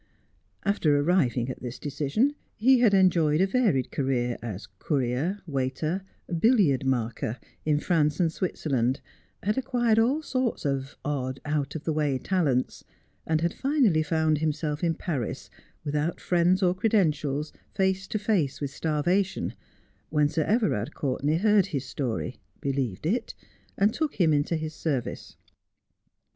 After arriving at this decision, he had enjoyed a varied career as courier, waiter, billiard marker in Prance and Switzerland, had acquired all sorts of odd out of the way talents, and had finally found himself in Paris, without friends or credentials, face to face with starvation, when Sir Everard Courtenay heard his story, believed it, and took him into his service.